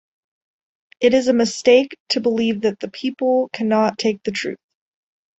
It is a mistake to believe that the people cannot take the truth.